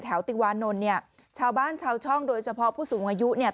ติวานนท์เนี่ยชาวบ้านชาวช่องโดยเฉพาะผู้สูงอายุเนี่ย